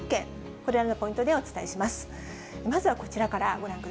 これらのポイントでお伝えします。